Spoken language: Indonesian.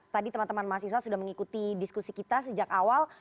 tadi teman teman mahasiswa sudah mengikuti diskusi kita sejak awal